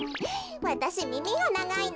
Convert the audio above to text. わたしみみがながいの。